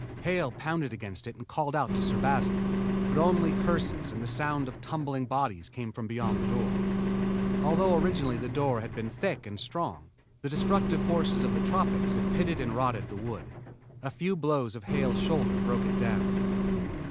Hale pounded against it and called out to Sir Basil, but only curses and the sound of tumbling bodies came from beyond the door. Although originally the door had been thick and strong, the destructive forces of the tropics had pitted and rotted the wood. A few blows of Hale's shoulder broke it down.